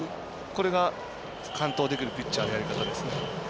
これが完投できるピッチャーのやり方ですね。